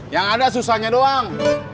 yang ada susahnya doang